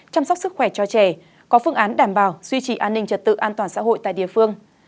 chăm sóc sức khỏe cho trẻ có phương án đảm bảo duy trì an ninh trật tự an toàn xã hội tại địa phương